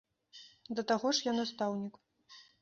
Да таго ж я настаўнік.